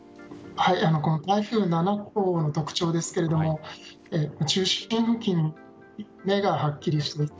台風７号の特徴ですけども中心付近、目がややはっきりしていて